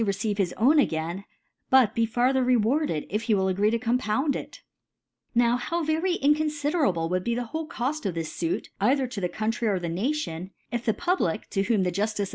receive his own again, but be farther rewarded, if he wil( agree to compound it ? Now how very inconfiderable would be the whole Coft of this Suit either to the County or the Nation ; If the Ehiblic, to whom the Juftice of.